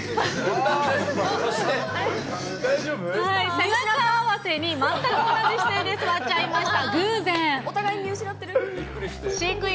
背中合わせに全く同じ姿勢で座っちゃいました。